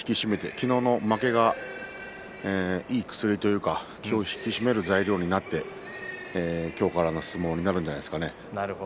昨日の負けがいい薬というか気を引き締める材料になって今日からの相撲になるんじゃないですかね。